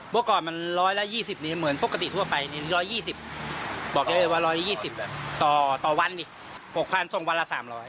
เมื่อก่อนมันร้อยละ๒๐นี่เหมือนปกติทั่วไป๑๒๐บอกเลยว่า๑๒๐ต่อวัน๖๐๐๐ตรงวันละ๓๐๐